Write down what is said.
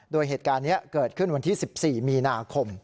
โดยเหตุการณ์นี้เกิดขึ้นวันที่๑๔มีนาคม